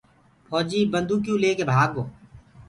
ڦوجيٚ بنٚدوڪيٚئو ليڪي ڀآگو